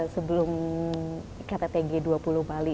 sebelum kttg dua puluh bali